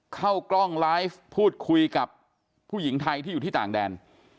เข้ากล้องไลฟ์พูดคุยกับผู้หญิงไทยที่อยู่ที่ต่างแดน